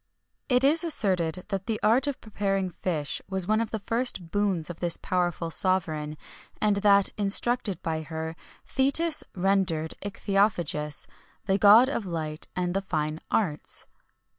It is asserted that the art of preparing fish was one of the first boons of this powerful sovereign, and that, instructed by her, Thetis rendered ichthyophagist the god of light and the fine arts.